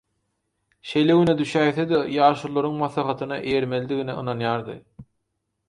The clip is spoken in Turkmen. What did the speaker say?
şeýle güne düşäýse-de ýaşulularyň maslahatyna eýermelidgine ynanýardy.